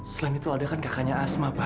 selain itu ada kan kakaknya asma pak